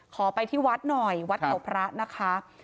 ขอไปที่วัดหน่อยวัดเขาพระนะคะ